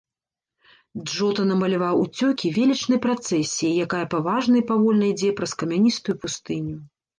Джота намаляваў уцёкі велічнай працэсіяй, якая паважна і павольна ідзе праз камяністую пустыню.